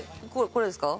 これですか？